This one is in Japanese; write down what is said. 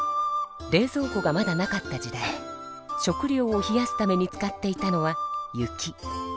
冷ぞう庫がまだなかった時代食料を冷やすために使っていたのは雪。